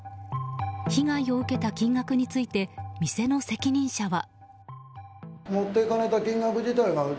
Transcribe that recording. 被害を受けた金額について店の責任者は。